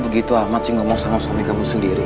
cepet kelar urusannya di kantor polisi